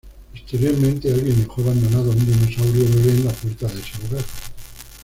Posteriormente, alguien dejó abandonado a un dinosaurio bebe en la puerta de ese hogar.